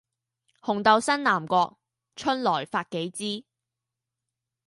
紅豆生南國，春來發幾枝，